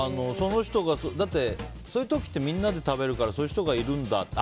だって、そういう時ってみんなで食べるからそういう人がいるんだって。